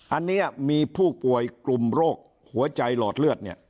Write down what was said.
อันนี้มีผู้ป่วยกลุ่มโรคหัวใจหลอดเลือดเนี่ย